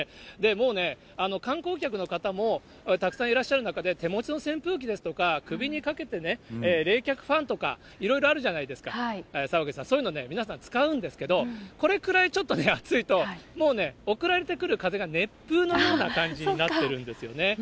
もうね、観光客の方もたくさんいらっしゃる中で、手持ちの扇風機ですとか首にかけて冷却ファンとか、いろいろあるじゃないですか、澤口さん、そういうのをね、皆さん使うんですけれども、これくらいちょっと暑いと、もうね、送られてくる風が熱風のような感じになっているんですよね。